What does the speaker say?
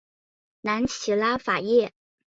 南起拉法叶。